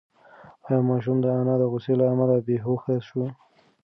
ایا ماشوم د انا د غوسې له امله بېهوښه شو؟